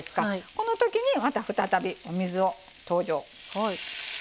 このときに、また再びお水が登場。